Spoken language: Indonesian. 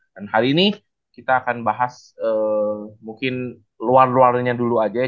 dan hari ini kita akan bahas mungkin luar luarnya dulu aja ya